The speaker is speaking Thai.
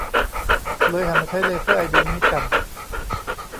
เลยหันมาใช้เลเซอร์ไอดีนี้กัน